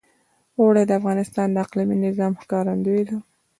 اوړي د افغانستان د اقلیمي نظام ښکارندوی ده.